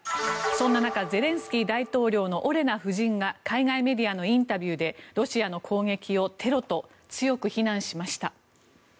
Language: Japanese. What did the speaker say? そんな中、ゼレンスキー大統領のオレナ夫人が海外メディアのインタビューでロシアの攻撃をテロと強く非難しました。